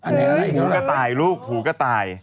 หูกระต่ายลูกหูกระต่าย